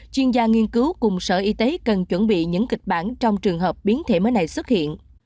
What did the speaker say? chuyên gia nghiên cứu cùng sở y tế cần chuẩn bị những kịch bản trong trường hợp biến thể mới này xuất hiện